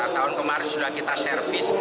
tahun kemarin sudah kita servis